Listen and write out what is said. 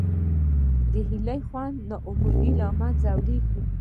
د هیلې خوند نا امیدي له منځه وړي.